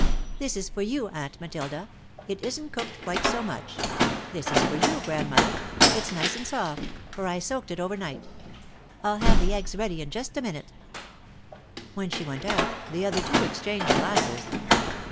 "This is for you, Aunt Matilda it isn't cooked quite so much. This is for you, Grandmother. It's nice and soft, for I soaked it over night. I'll have the eggs ready in just a minute." When she went out, the other two exchanged glances.